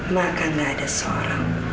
maka nggak ada seorang